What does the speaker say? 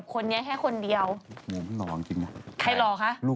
อันนี้ผมให้ดูล่าสุด